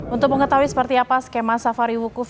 untuk mengetahui seperti apa skema safari wukuf